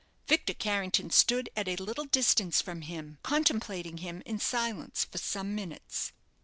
Victor Carrington stood at a little distance from him, contemplating him in silence for some minutes.